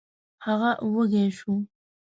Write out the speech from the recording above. هغه وږی شو.